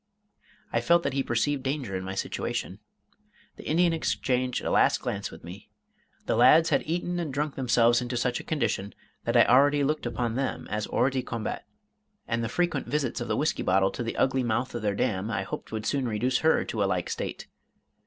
I felt that he perceived danger in my situation. The Indian exchanged a last glance with me. The lads had eaten and drunk themselves into such condition that I already looked upon them as hors tie combat; and the frequent visits of the whisky bottle to the ugly mouth of their dam I hoped would soon reduce her to a like state.